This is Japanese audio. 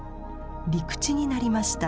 陸地になりました。